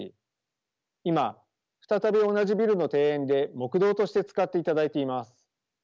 今再び同じビルの庭園で木道として使っていただいています。